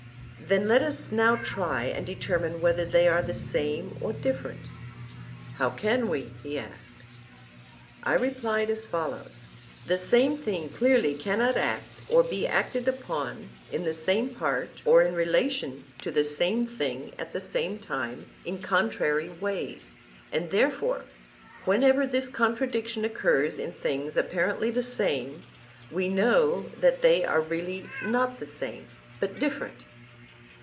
Then let us now try and determine whether they are the same or different. How can we? he asked. I replied as follows: The same thing clearly cannot act or be acted upon in the same part or in relation to the same thing at the same time, in contrary ways; and therefore whenever this contradiction occurs in things apparently the same, we know that they are really not the same, but different.